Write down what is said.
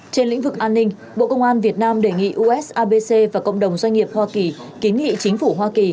trên lĩnh vực an ninh bộ công an việt nam đề nghị usabc và cộng đồng doanh nghiệp hoa kỳ kiến nghị chính phủ hoa kỳ